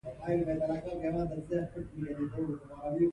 جین اسټن د طنز له لارې مبالغه کوونکي ناولونه مسخره کړل.